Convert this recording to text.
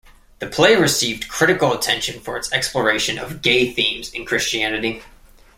The play received critical attention for its exploration of gay themes in Christianity.